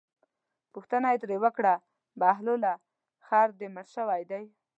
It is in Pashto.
پوښتنه یې ترې وکړه بهلوله خر دې مړ شوی دی.